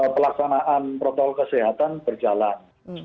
pelaksanaan protokol kesehatan berjalan